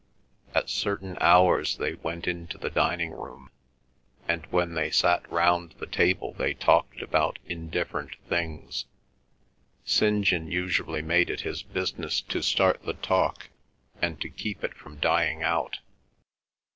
At certain hours they went into the dining room, and when they sat round the table they talked about indifferent things. St. John usually made it his business to start the talk and to keep it from dying out.